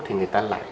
thì người ta lại